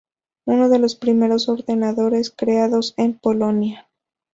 Uno de los primeros ordenadores creados en Polonia.